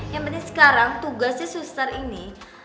yang penting sekarang tugasnya suster ini